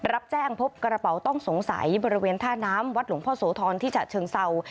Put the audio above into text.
รับแจ้งพบกระเป๋าต้องสงสัยบริเวณท่าน้ำวัดหลวงพ่อโสธรที่ฉะเชิงเศร้า